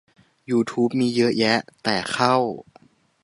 ยูทูบมีเยอะแยะ แต่เข้า